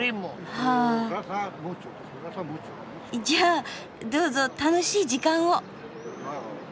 じゃあどうぞ楽しい時間を。